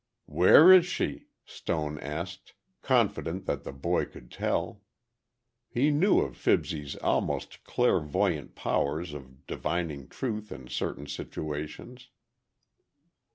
"Where is she?" Stone asked, confident that the boy could tell. He knew of Fibsy's almost clairvoyant powers of divining truth in certain situations.